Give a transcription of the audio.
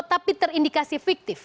tapi terindikasi fiktif